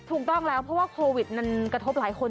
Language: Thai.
ถูกต้องแล้วเพราะว่าโควิดมันกระทบหลายคน